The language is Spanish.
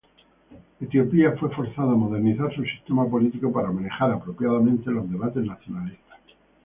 Etiopía fue forzada a modernizar su sistema político para manejar apropiadamente los debates nacionalistas.